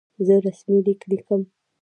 زه رسمي لیک لیکم.